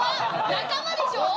仲間でしょ？